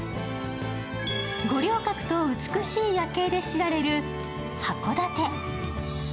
五稜郭と美しい夜景で知られる函館。